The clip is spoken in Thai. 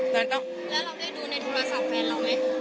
แล้วเราได้ดูในโทรศัพท์แฟนเราไหม